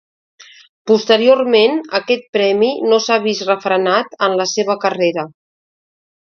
Posteriorment aquest premi no s'ha vist refrenat en la seva carrera.